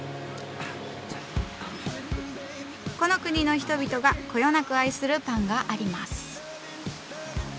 この国の人々がこよなく愛するパンがあります。